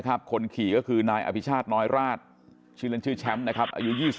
ครับคนขี่ก็คือนายอภิชาธิ์น้อยราชชื่อชื่อแชมป์นะครับอายุ